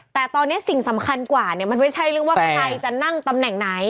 แต่ตอนนี้สิ่งสำคัญกว่ามันไม่ใช่เรื่องว่าใครจะนั่งตำแหน่งไหน